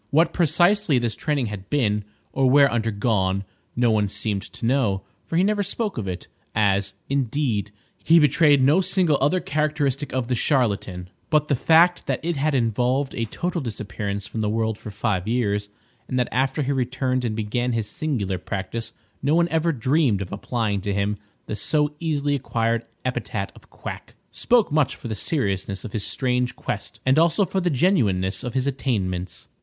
What precisely this training had been, or where undergone, no one seemed to know,—for he never spoke of it, as, indeed, he betrayed no single other characteristic of the charlatan,—but the fact that it had involved a total disappearance from the world for five years, and that after he returned and began his singular practice no one ever dreamed of applying to him the so easily acquired epithet of quack, spoke much for the seriousness of his strange quest and also for the genuineness of his attainments.